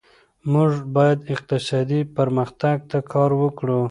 موږ باید اقتصادي پرمختګ ته کار وکړو.